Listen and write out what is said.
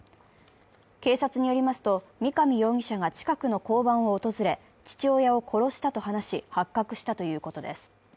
警察によりますと三上容疑者が近くの交番を訪れ、父親を殺したと話し、発覚したということです。